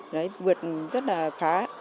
đấy vượt rất là khá